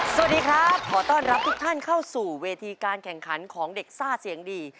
สวัสดีครับขอต้อนรับทุกท่านเข้าสู่เวทีการแข่งขันของเด็กซ่าเสียงดี